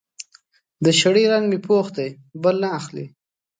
د شړۍ رنګ مې پوخ دی؛ بل نه اخلي.